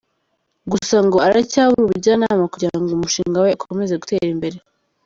Gusa ngo aracyabura ubujyanama kugira ngo umushinga we ukomeze gutera imbere.